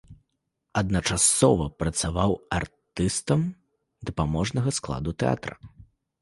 Адначасова працаваў артыстам дапаможнага складу тэатра.